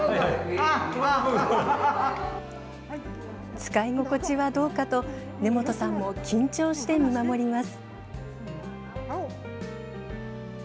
使い心地はどうかと根本さんも緊張して見守ります。